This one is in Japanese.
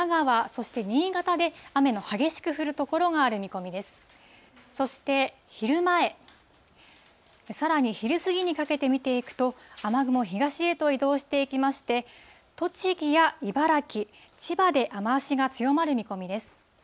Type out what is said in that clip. そして、昼前、さらに昼過ぎにかけて見ていくと、雨雲、東へと移動していきまして、栃木や茨城、千葉で雨足が強まる見込みです。